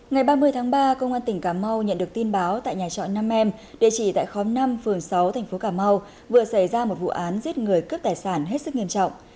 ngày ba mươi tháng ba công an tỉnh cà mau nhận được tin báo tại nhà chọn năm em địa chỉ tại khóm năm phường sáu tp cà mau vừa xảy ra một vụ án giết người cướp tài sản hết sức nghiêm trọng